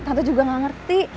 tante juga gak ngerti